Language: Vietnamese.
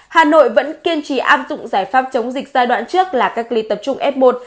hà nội vẫn kiên trì áp dụng giải pháp chống dịch giai đoạn trước là cách ly tập trung f một